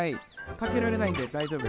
かけられないんで大丈夫だよ。